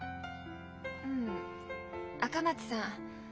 ううん赤松さん。